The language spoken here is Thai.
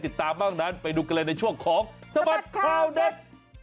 ติดตามบ้างนั้นไปดูกันเลยในช่วงของสบัดข่าวเด็ด